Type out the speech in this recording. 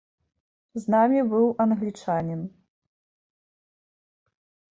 З намі быў англічанін.